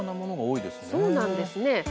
そうなんですね。